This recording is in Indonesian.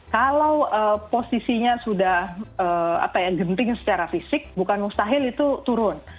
kalau posisinya sudah genting secara fisik bukan mustahil itu turun